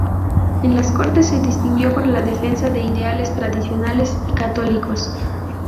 En las Cortes se distinguió por la defensa de ideales tradicionales y católicos.